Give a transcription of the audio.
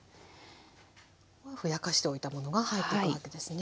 ふやかしておいたものが入ってくわけですね。